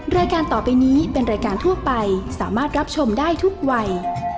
รายการต่อไปนี้เป็นรายการทั่วไปสามารถรับชมได้ทุกวัย